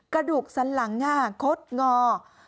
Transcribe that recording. กระดูกสันหลังคดงอ